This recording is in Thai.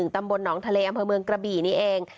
ตำบลหนองทะเลอำเภอเมืองกระบี่นี่เอง